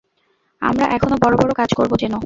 আমরা এখনও বড় বড় কাজ করব, জেনো।